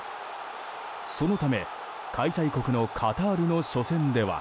そのため開催国のカタールの初戦では。